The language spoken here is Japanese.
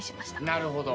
なるほど。